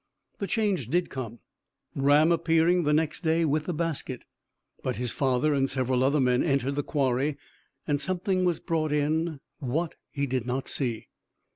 The change did come, Ram appearing the next day with the basket; but his father and several other men entered the quarry, and something was brought in what he did not see.